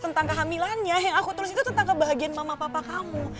tentang kehamilannya yang aku tulis itu tentang kebahagiaan mama papa kamu